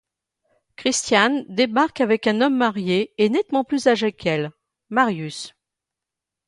Christiane débarque avec un homme marié et nettement plus âgé qu'elle, Marius.